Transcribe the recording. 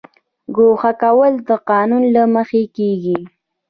ګوښه کول د قانون له مخې کیږي